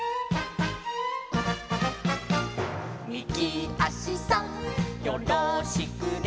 「みぎあしさんよろしくね」